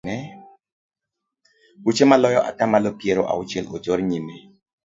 Buche maloyo ata malo piero auchiel ochor nyime.